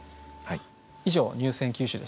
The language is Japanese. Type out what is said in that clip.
以上入選九首でした。